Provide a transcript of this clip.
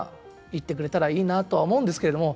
いってくれたらいいなとは思うんですけれども。